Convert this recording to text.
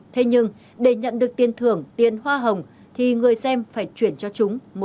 thế nhưng để nhận được tiền thưởng tiền hoa hồng thì người xem phải chuyển cho chúng